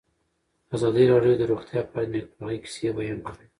ازادي راډیو د روغتیا په اړه د نېکمرغۍ کیسې بیان کړې.